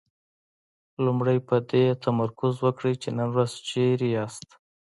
لومړی په دې تمرکز وکړئ چې نن ورځ چېرته ياستئ.